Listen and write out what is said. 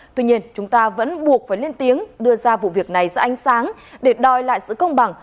tuy nhiên chúng ta vẫn buộc phải lên tiếng đưa ra vụ việc này ra ánh sáng để đòi lại sự công bằng